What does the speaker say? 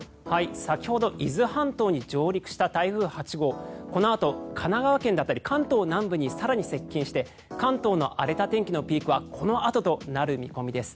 先ほど伊豆半島に上陸した台風８号このあと、神奈川県だったり関東南部に更に接近して関東の荒れた天気のピークはこのあととなる見込みです。